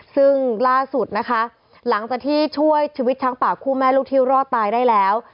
ซึ่งล่าสุดนะคะหลังจากที่ช่วยชีวิตช้างป่าคู่แม่ลูกที่รอดตายได้แล้ว